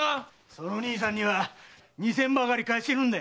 その兄さんには二千ばかり貸してんだ。